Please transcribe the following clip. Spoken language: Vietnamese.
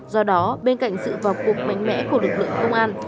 do đó bên cạnh sự vào cuộc mạnh mẽ của lực lượng công an